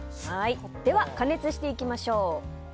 では加熱していきましょう。